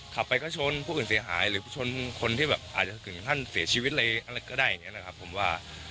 ขับไปก็ชนผู้อื่นเสียหายหรือชนคนที่แบบอาจจะขึ้นขั้นเสียชีวิตอะไรก็ได้